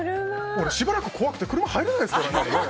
しばらく怖くて車入れないですからね。